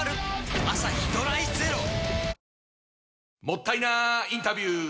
もったいなインタビュー！